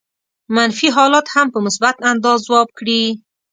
منفي حالات هم په مثبت انداز ځواب کړي.